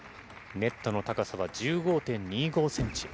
ネットの高さは１５．２５センチ。